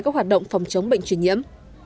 các hoạt động phòng chống bệnh truyền nhiễm